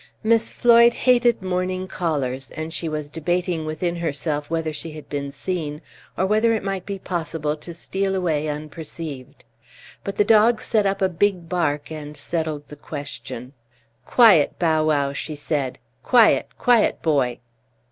Miss Floyd hated morning callers, and she was debating within herself whether she had been seen, or whether it might be possible to steal away unperceived. But the dog set up a big bark, and settled the question. "Quiet, Bow wow," she said; "quiet, quiet, boy."